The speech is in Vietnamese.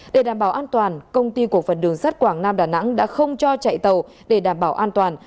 để đảm bảo an toàn công ty cổ phần đường sắt quảng nam đà nẵng đã không cho chạy tàu để đảm bảo an toàn